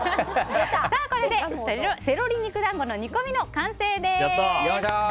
これでセロリ肉団子の煮込みの完成です！